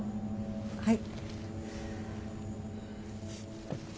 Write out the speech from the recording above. はい。